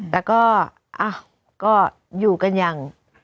แล้วก็อ้าวก็อยู่กันอย่าง